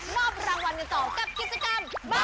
แจกล้านทุกเดือน